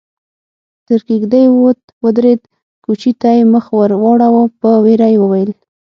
تر کېږدۍ ووت، ودرېد، کوچي ته يې مخ ور واړاوه، په وېره يې وويل: